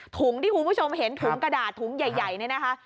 ถุงที่คุณผู้ชมเห็นถุงกระดาษถุงใหญ่เนี่ยนะคะ